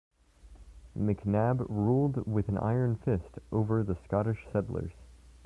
McNab ruled with an iron fist over the Scottish settlers.